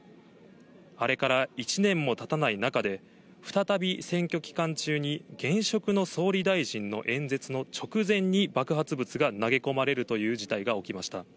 あれから１年もたたない中で、再び選挙期間中に現職の総理大臣の演説の直前に爆発物が投げ込まれるという事態が起きました。